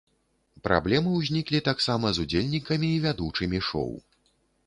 Праблемы ўзніклі таксама з удзельнікамі і вядучымі шоў.